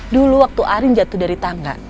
dulu waktu arin jatuh dari tangga